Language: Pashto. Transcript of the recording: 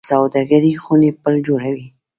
سوداګرۍ خونې پل جوړوي